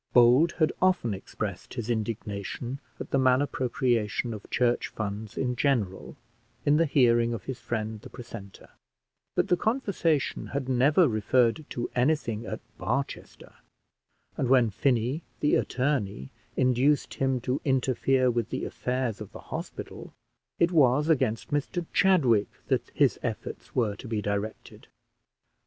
Bold had often expressed his indignation at the malappropriation of church funds in general, in the hearing of his friend the precentor; but the conversation had never referred to anything at Barchester; and when Finney, the attorney, induced him to interfere with the affairs of the hospital, it was against Mr Chadwick that his efforts were to be directed.